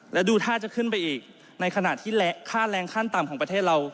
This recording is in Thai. และดูท่าจะขึ้นไปอีกในขณะที่ค่าแรงขั้นต่ำของประเทศเรา